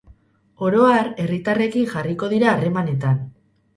Oro har, herritarrekin jarriko dira harremanetan.